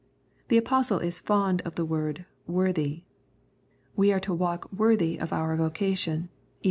The Apostle is fond of the word " worthy." We are to walk worthy of our vocation (Eph.